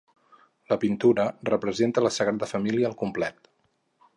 La pintura representa la Sagrada Família al complet: